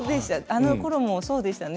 あのころもそうでしたね。